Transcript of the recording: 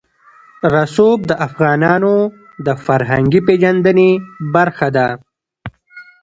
رسوب د افغانانو د فرهنګي پیژندنې برخه ده.